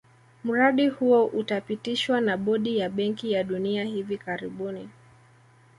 Mradi huo utapitishwa na bodi ya benki ya dunia hivi karibuni